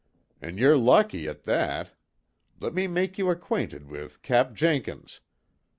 "An' yer lucky, at that. Let me make you acquainted with Cap Jinkins.